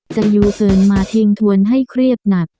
จะอยู่เกินมาทิ้งทวนให้เครียดหนัก